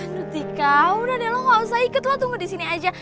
aduh tika udah neloh gak usah ikut lo tunggu di sini aja